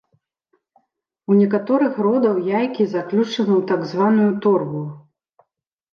У некаторых родаў яйкі заключаны ў так званую торбу.